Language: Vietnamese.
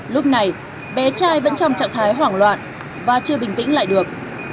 lúc này bé trai vẫn trong trạng thái hoảng loạn và chưa bình tĩnh lại được